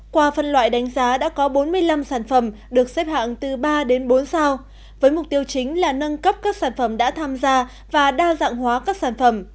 qua phân loại đánh giá đã có bốn mươi năm sản phẩm được xếp hạng từ ba đến bốn sao với mục tiêu chính là nâng cấp các sản phẩm đã tham gia và đa dạng hóa các sản phẩm